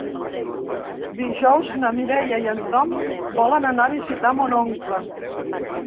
Dijous na Mireia i en Tom volen anar a visitar mon oncle.